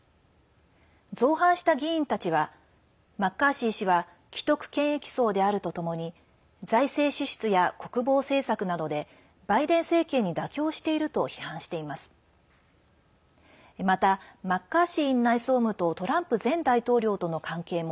造反した議員たちはマッカーシー氏は既得権益層であるとともに財政支出や国防政策などでバイデン政権に妥協していると批判しています。